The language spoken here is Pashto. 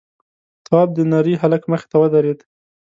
تواب د نري هلک مخې ته ودرېد: